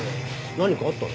何かあったの？